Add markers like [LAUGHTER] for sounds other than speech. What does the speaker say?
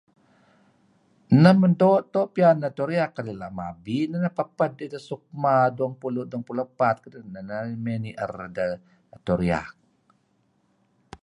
Neh men nuk doo' piyan edto riyak [UNINTELLIGIBLE] kadi' la' mabi neh suk peped suk [UNINTELLIGIBLE] dueh ngepulu' epat, mey ni'er edtah edto riyak